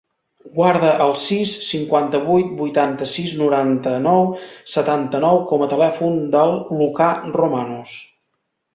Guarda el sis, cinquanta-vuit, vuitanta-sis, noranta-nou, setanta-nou com a telèfon del Lucà Romanos.